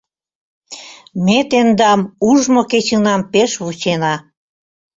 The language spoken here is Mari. Ме тендам ужмо кечынам пеш вучена.